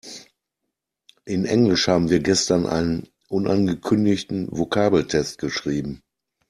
In Englisch haben wir gestern einen unangekündigten Vokabeltest geschrieben.